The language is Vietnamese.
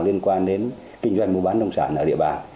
liên quan đến kinh doanh mua bán nông sản ở địa bàn